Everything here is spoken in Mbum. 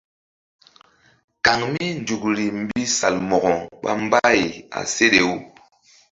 Kaŋ mí nzukri mbi Salmo̧ko ɓa mbay a seɗe-u.